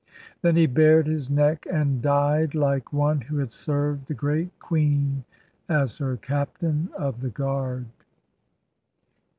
Then he bared his neck and died like one who had served the Great Queen as her Captain of the Guard.